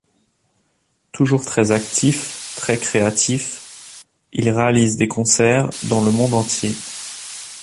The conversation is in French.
Toujours très actifs, très créatifs, ils réalisent des concerts dans le monde entier.